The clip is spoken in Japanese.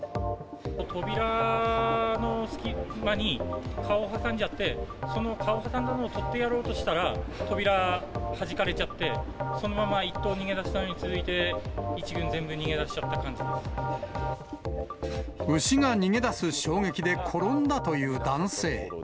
扉の隙間に顔を挟んじゃって、その顔挟んだのを取ってやろうとしたら、扉はじかれちゃって、そのまま１頭逃げ出したのに続いて、一群、牛が逃げ出す衝撃で転んだという男性。